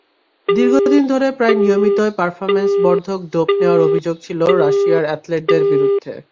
দীর্ঘদিন ধরে প্রায় নিয়মিতই পারফরম্যান্স-বর্ধক ডোপ নেওয়ার অভিযোগ ছিল রাশিয়ার অ্যাথলেটদের বিরুদ্ধে।